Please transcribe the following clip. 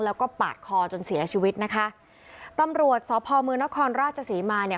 แล้วก็ปาดคอจนเสียชีวิตนะคะตำรวจสพมนครราชศรีมาเนี่ย